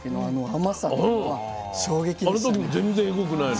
あの時も全然えぐくないの？